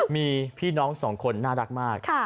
มีพี่น้องสองคนน่ารักมาก